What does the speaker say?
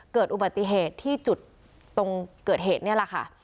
เกิดอุบัติเหตุที่จุดตรงเกิดเหตุนี่แหละค่ะ